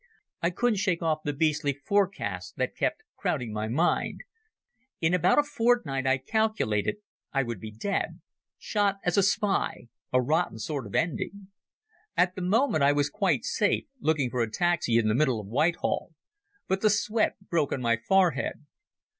I couldn't shake off the beastly forecasts that kept crowding my mind. In about a fortnight, I calculated, I would be dead. Shot as a spy—a rotten sort of ending! At the moment I was quite safe, looking for a taxi in the middle of Whitehall, but the sweat broke on my forehead.